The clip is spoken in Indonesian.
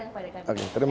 bisa dijelaskan kepada kami